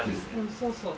そうそう。